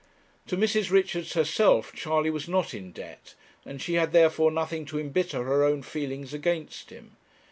To Mrs. Richards herself Charley was not in debt, and she had therefore nothing to embitter her own feelings against him.